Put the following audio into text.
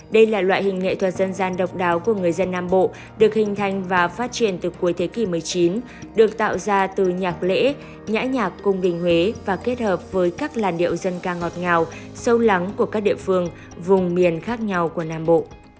đây là loại hình nghệ thuật dân gian độc đáo của người dân nam bộ được hình thành và phát triển từ cuối thế kỷ một mươi chín được tạo ra từ nhạc lễ nhãi nhạc cung đình huế và kết hợp với các làn điệu dân ca ngọt ngào sâu lắng của các địa phương vùng miền khác nhau của nam bộ